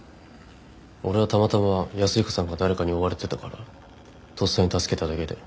俺はたまたま安彦さんが誰かに追われてたからとっさに助けただけで。